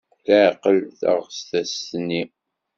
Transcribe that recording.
Teɛqel taɣtest-nni.